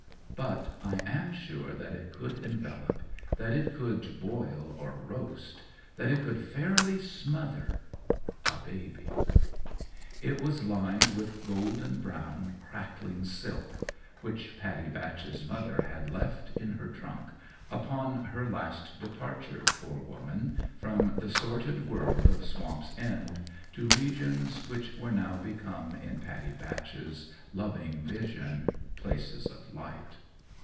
But I am sure that it could envelop, that it could boil or roast, that it could fairly smother a baby! It was lined with golden brown, crackling silk, which Pattie Batch's mother had left in her trunk, upon her last departure, poor woman! from the sordid world of Swamp's End to regions which were now become in Pattie Batch's loving vision Places of Light.